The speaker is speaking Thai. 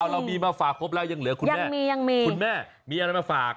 เรามีมาฝากครบแล้วยังเหลือคุณแม่คุณแม่มีอะไรมาฝาก